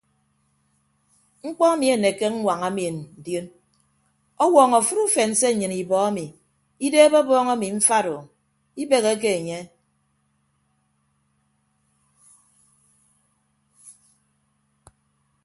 Mkpọ emi anekke aññwaña mien ndion ọwọọñọ afịt ufen se nnyịn ibọ emi ideebe ọbọọñ emi mfat o ibegheke enye.